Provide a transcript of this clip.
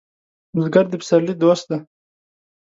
بزګر د پسرلي دوست دی